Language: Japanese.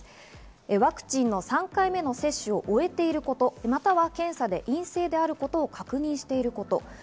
ワクチンの３回目の接種を終えていること、または検査で陰性であることを確認していること。